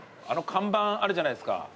あの看板あるじゃないですか